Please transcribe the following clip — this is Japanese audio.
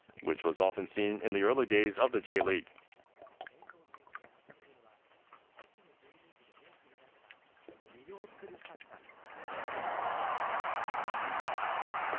遠藤選手が求めるのは初期のＪリーグで多くみられた魅了するサッカーです。